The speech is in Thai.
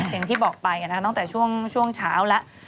อย่างที่บอกไปตั้งแต่ช่วงเช้าแล้ว